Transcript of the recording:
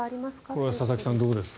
これは佐々木さん、どうですか？